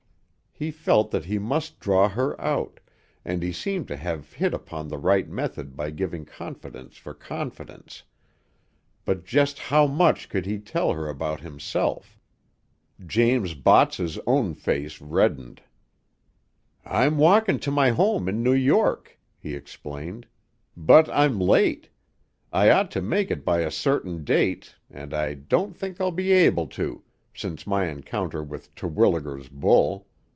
He felt that he must draw her out, and he seemed to have hit upon the right method by giving confidence for confidence; but just how much could he tell her about himself? James Botts's own face reddened. "I'm walking to my home in New York," he explained. "But I'm late; I ought to make it by a certain date, and I don't think I'll be able to, since my encounter with Terwilliger's bull.